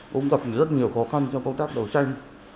cũng gặp rất nhiều khó khăn trong công tác đấu tranh